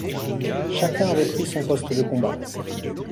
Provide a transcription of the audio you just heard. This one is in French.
Chacun avait pris son poste de combat.